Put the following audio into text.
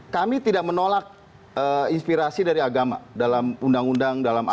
kami tidak menolak inspirasi dari agama dalam undang undang dalam agama